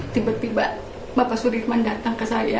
tiba tiba bapak sudirman datang ke saya